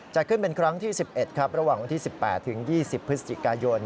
ขึ้นเป็นครั้งที่๑๑ครับระหว่างวันที่๑๘ถึง๒๐พฤศจิกายน